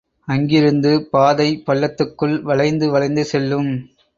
அங்கிருந்து பாதை பள்ளத்துக்குள் வளைந்து வளைந்து செல்லும்.